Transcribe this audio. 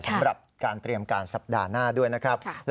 สำหรับการเตรียมการสัปดาห์หน้าด้วยนะครับ